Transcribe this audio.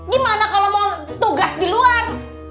gimana kalau mau tugas di luar